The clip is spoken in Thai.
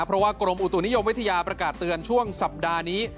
เพราะว่ากรมอุตุนิยมวิทยาประกาศเตือนช่วงสัปดาห์นี้